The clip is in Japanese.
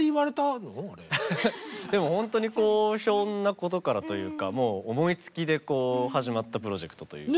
でもほんとにこうひょんなことからというか思いつきで始まったプロジェクトというか。